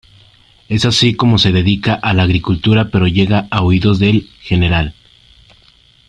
Es así como se dedica a la agricultura pero llega a oídos del Gral.